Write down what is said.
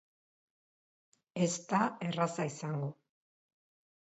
Ez da erraza izango.